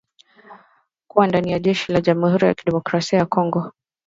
Kuwa ndani ya jeshi la Jamhuri ya kidemokrasia ya Kongo.